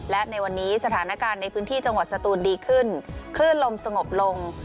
และในวันนี้สถานการณ์ในพื้นที่จังหวัดสตูนดีขึ้นคลื่นลมสงบลง